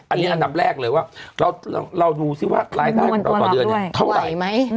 อันนี้อันดับแรกเลยว่าเราดูซิว่ารายได้ของเราต่อเดือนเนี่ยเท่าไหร่ไหม